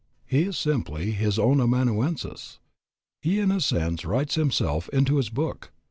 He is simply his own amanuensis. He in a sense writes himself into his book.